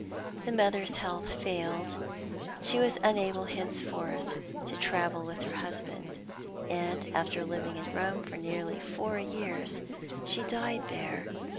The mother's health failed; she was unable henceforth to travel with her husband, and, after living in Rome for nearly four years, she died there.